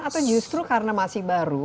atau justru karena masih baru